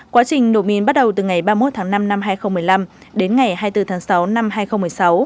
quá trình nổ mìn bắt đầu từ ngày ba mươi một tháng năm năm hai nghìn một mươi năm đến ngày hai mươi bốn tháng sáu năm hai nghìn một mươi sáu